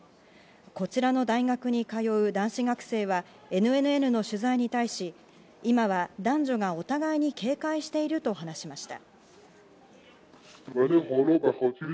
こちらの大学に通う男子学生はＮＮＮの取材に対し、今は男女がお互いに警戒していると話しました。